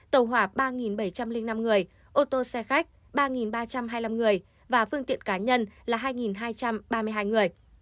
tàu hỏa ba bảy trăm linh năm người ô tô xe khách ba ba trăm hai mươi năm người và phương tiện cá nhân là hai hai trăm ba mươi hai người